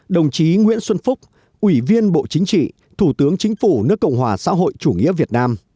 đồng chí nguyễn xuân phúc ủy viên bộ chính trị thủ tướng chính phủ nước cộng hòa xã hội chủ nghĩa việt nam